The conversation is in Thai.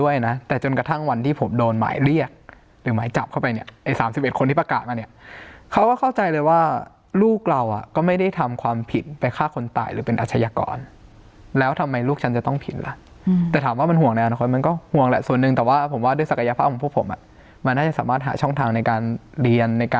อย่างที่ผมจัดชมนุมที่เมื่อวานี้แถวรัดกระวังสมัยก่อนผมจัดคนเดียว